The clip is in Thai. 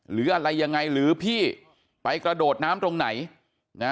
หรืออะไรยังไงหรือพี่ไปกระโดดน้ำตรงไหนนะ